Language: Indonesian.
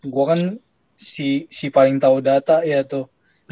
gue kan si paling tau data ya tuh